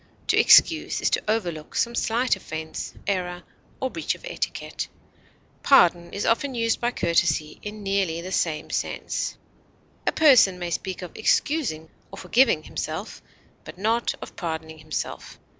To excuse is to overlook some slight offense, error, or breach of etiquette; pardon is often used by courtesy in nearly the same sense. A person may speak of excusing or forgiving himself, but not of pardoning himself.